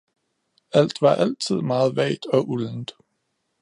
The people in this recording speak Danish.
Alt var altid meget vagt og uldent.